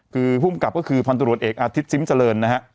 คือภูมิกับก็คือพันธุรกิจเอกอาทิตย์ซิมเจริญนะฮะ